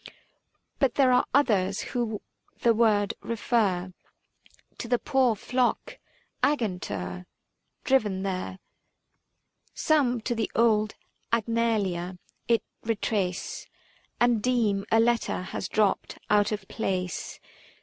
But there are others who the word refer To the poor flock " Agantur " driven there. 350 Some to the old Agnalia it retrace, And deem a letter has dropped out of place.